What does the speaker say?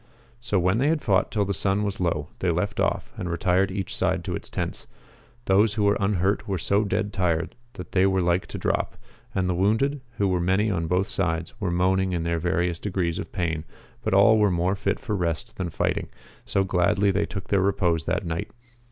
^ So when they had fought till the sun was low they left off, and retired each side to its tents. Those who were un hurt were so dead tired that they were like to drop, and 392 MARCO POLO. Book IV. the wounded, who were many on both sides, were moaning in their various degrees of pain ; but all were more lit for rest than lighting, so gladly they took their repose that night.